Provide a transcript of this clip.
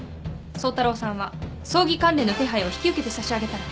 宗太郎さんは葬儀関連の手配を引き受けて差し上げたら。